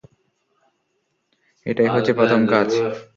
এটাই হচ্ছে প্রথম কাজ!